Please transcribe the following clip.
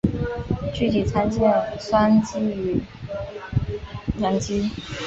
具体参见醛基与羧基。